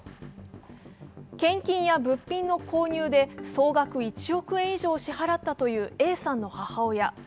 献金や物品の購入で総額１億円以上支払ったというＡさんの母親。